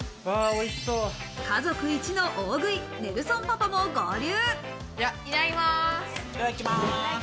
家族いちの大食い、ネルソンパパも合流。